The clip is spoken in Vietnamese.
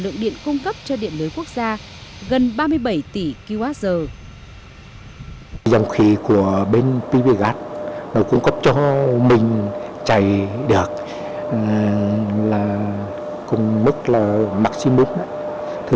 lượng điện cung cấp cho điện lưới quốc gia gần ba mươi bảy tỷ kwh